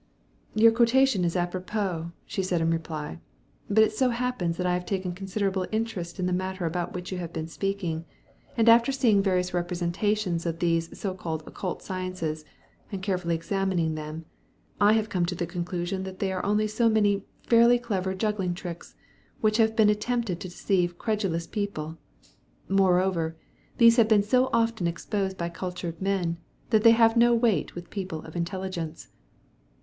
'" "Your quotation is apropos," she said in reply, "but it so happens that I have taken considerable interest in the matter about which you have been speaking, and after seeing various representations of these so called occult sciences, and carefully examining them, I have come to the conclusion that they are only so many fairly clever juggling tricks, which have been attempts to deceive credulous people. Moreover, these have been so often exposed by cultured men, that they have no weight with people of intelligence."